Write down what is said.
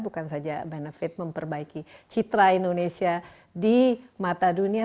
bukan saja benefit memperbaiki citra indonesia di mata dunia